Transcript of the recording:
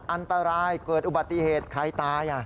อันตรายเกิดอุบัติเหตุใครตาย